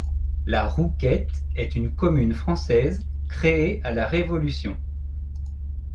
La Rouquette est une commune française créée à la Révolution.